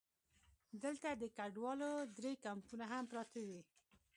دلته د کډوالو درې کمپونه هم پراته دي.